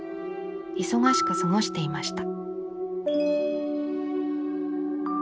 忙しく過ごしていました。